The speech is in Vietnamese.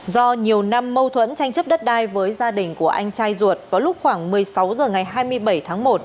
do nhiều năm mâu thuẫn tranh chấp đất đai với gia đình của anh trai ruột vào lúc khoảng một mươi sáu h ngày hai mươi bảy tháng một